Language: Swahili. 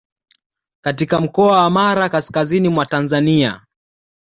katika mkoa wa Mara kaskazini mwa Tanzania